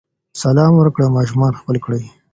سلام ورکړئ او ماشومان ښکل کړئ.